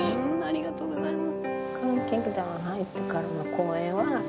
ありがとうございます。